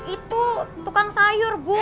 itu tukang sayur bu